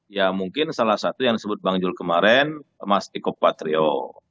ya mungkin salah satu yang disebut bang jul kemarin mas eko patrio